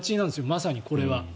まさにこれは。